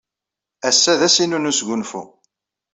Ass-a d ass-inu n wesgunfu.